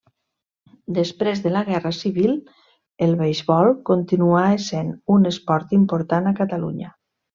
Després de la guerra civil el beisbol continuà essent un esport important a Catalunya.